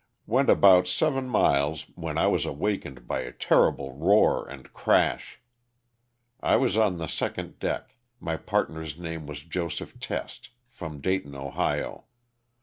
Went about seven miles when I was awakened by a terrible roar and crash. I was on the second deck, my partner's name was Joseph Test, from Dayton, Ohio.